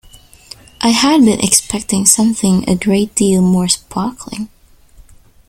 I had been expecting something a great deal more sparkling.